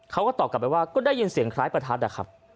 เขาก็ตอบกลับไปว่าก็ได้ยินเสียงคล้ายประทัดอะครับ